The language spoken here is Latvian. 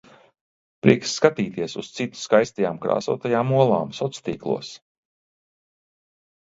Prieks skatīties uz citu skaistajām, krāsotajām olām soctīklos.